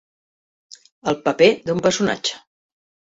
El paper d'un personatge.